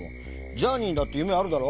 ジャーニーだってゆめあるだろ？